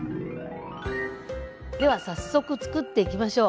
では早速つくっていきましょう。